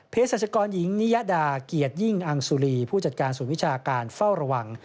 สัชกรหญิงนิยดาเกียรติยิ่งอังสุรีผู้จัดการศูนย์วิชาการเฝ้าระวัง